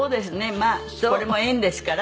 まあこれも縁ですから。